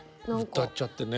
歌っちゃってね。